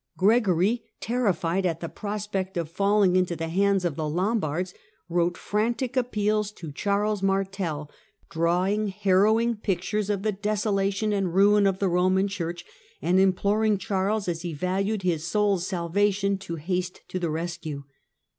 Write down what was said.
Gregory, terrified Lt the prospect of falling into the hands of the Lom )ards, wrote frantic appeals to Charles Martel, drawing larrowing pictures of the desolation and ruin of the Roman Church, and imploring Charles, as he valued lis soul's salvation, to haste to the rescue.